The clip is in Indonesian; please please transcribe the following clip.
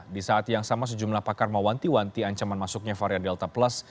di saat yang sama sejumlah pakar mewanti wanti ancaman masuknya varian delta plus